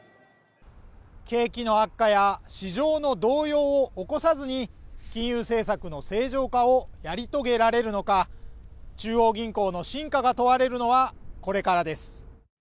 景気の悪化や市場の動揺を起こさずに金融政策の正常化をやり遂げられるのか中央銀行の真価が問われるのはこれからです